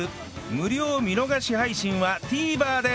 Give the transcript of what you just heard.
無料見逃し配信は ＴＶｅｒ で